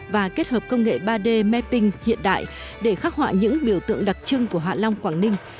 và kết hợp công nghệ ba d mapping hiện đại để khắc họa những biểu tượng đặc trưng của hạ long quảng ninh